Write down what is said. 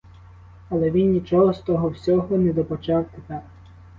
Але він нічого з того всього не добачав тепер.